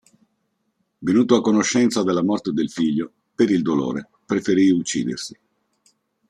Venuto a conoscenza della morte del figlio, per il dolore, preferì uccidersi.